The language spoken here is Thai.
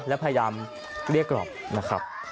และพยายามเรียกรอบนะครับ